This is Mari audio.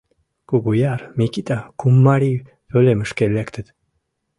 Кугуяр, Микита, кум марий пӧлемышке лектыт.